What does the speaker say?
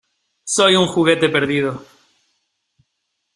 ¡ Soy un juguete perdido!